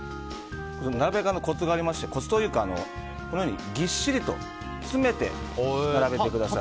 並べ方のコツがありましてコツというか、このようにぎっしりと詰めて並べてください。